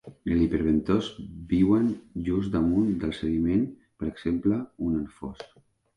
Els hiperbentos viuen just damunt del sediment, per exemple un anfós.